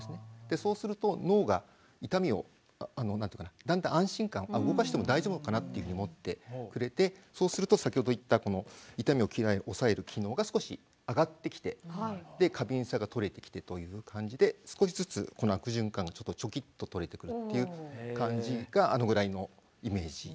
そうすると脳が痛みをだんだん安心感動かしても大丈夫かなっていうふうに思ってくれてそうすると先ほど言った痛みを抑える機能が少し上がってきて過敏さが取れてきてという感じで少しずつこの悪循環がチョキッと取れてくるっていう感じがあのぐらいのイメージ。